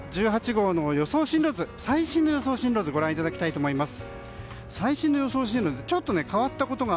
１８号の最新の予想進路図をご覧いただきたいと思います。